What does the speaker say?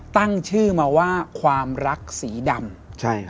ตั้งชื่อมาว่าความรักสีดำ